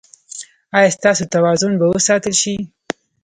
ایا ستاسو توازن به وساتل شي؟